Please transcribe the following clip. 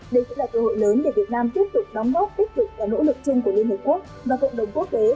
đây cũng là cơ hội lớn để việt nam tiếp tục đóng góp tích cực vào nỗ lực chung của liên hợp quốc và cộng đồng quốc tế